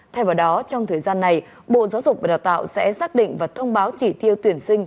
thay vào đó trong thời gian này bộ giáo dục và đào tạo sẽ xác định và thông báo chỉ tiêu tuyển sinh